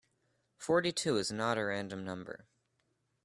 Forty-two is not a random number.